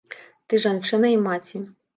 Ты жанчына і маці.